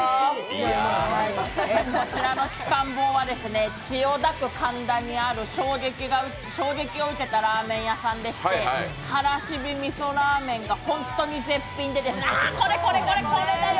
こちらの鬼金棒は千代田区神田にある衝撃を受けたラーメン屋さんでしてカラシビ味噌らー麺が本当に絶品で、あ、これこれこれ、これだよ！